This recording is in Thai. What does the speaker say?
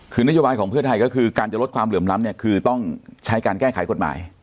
คือนโยบายของเพื่อไทยก็คือการจะลดความเหลื่อมล้ำเนี่ยคือต้องใช้การแก้ไขกฎหมาย